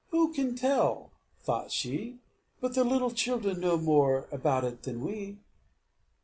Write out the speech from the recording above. "Who can tell," thought she, "but the little children know more about it than we?"